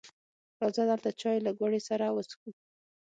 راځه دلته چای له ګوړې سره وڅښو